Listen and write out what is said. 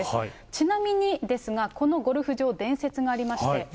ちなみにですが、このゴルフ場、伝説がありまして。